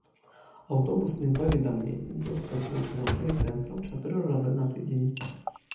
Аўтобусным паведамленнем вёска злучана з райцэнтрам чатыры разы на тыдзень.